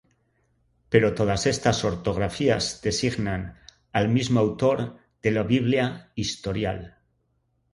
Pero todas estas ortografías designan al mismo autor de la Biblia Historial.